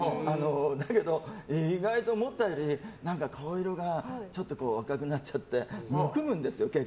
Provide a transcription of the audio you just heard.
だけど、意外と思ったより顔色がちょっと赤くなっちゃってむくむんですよ。